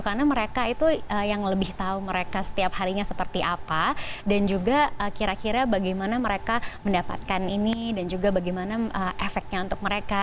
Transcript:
karena mereka itu yang lebih tahu mereka setiap harinya seperti apa dan juga kira kira bagaimana mereka mendapatkan ini dan juga bagaimana efeknya untuk mereka